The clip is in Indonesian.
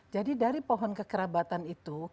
dari pohon kekerabatan itu